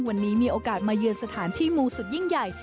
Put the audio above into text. วันนี้มีโอกาสมาเยือนสถานที่มูสุดยิ่งใหญ่